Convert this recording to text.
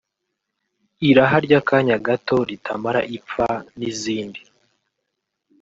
« Irahary’akanya gato ritamara ipfa » n’izindi